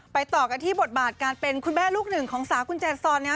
ต่อกันที่บทบาทการเป็นคุณแม่ลูกหนึ่งของสาวคุณแจซอนนะครับ